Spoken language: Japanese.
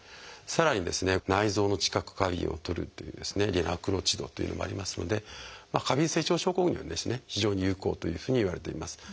さらに内臓の知覚過敏を取るという「リナクロチド」というのもありますので過敏性腸症候群には非常に有効というふうにいわれています。